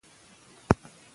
لوښي پاک او وچ وساتئ.